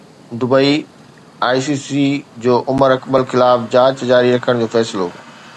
Dubai I C C جو عمر اڪمل خلاف جاچ جاري رکڻ جو فيصلو